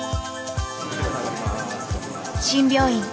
新病院